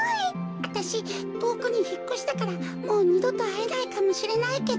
わたしとおくにひっこしたからもうにどとあえないかもしれないけど。